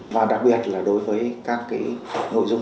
và đặc biệt là đối với các cái nội dung